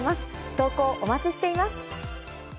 投稿、お待ちしています。